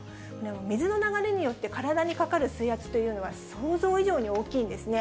水の流れによって、体にかかる水圧というのは、想像以上に大きいんですね。